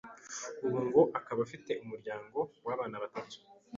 ubu ngo akaba afite umuryango w’abana batanu